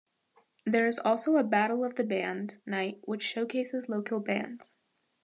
There is also a 'Battle of the Bands' night which showcases local bands.